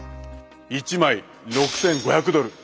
１枚６，５００ドル。